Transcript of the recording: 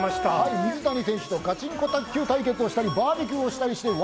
水谷選手とがちんこ卓球対決をしたり、バーベキューをしたりして、笑